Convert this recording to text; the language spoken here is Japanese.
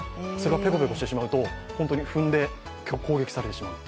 ペコペコしちゃうと、踏んで攻撃されてしまう。